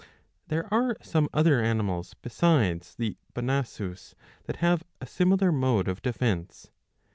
There are some other animals besides the Bonasus that have a similar mode of defence.